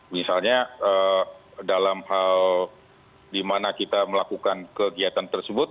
misalnya dalam hal di mana kita melakukan kegiatan tersebut